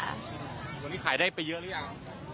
วันนี้ขายได้ไปเยอะหรือยัง